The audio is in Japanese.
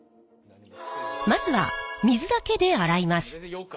まずは水だけで洗います。